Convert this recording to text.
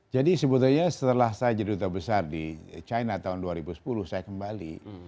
jadi sebetulnya setelah saya jadi dubes di cina tahun dua ribu sepuluh saya kembali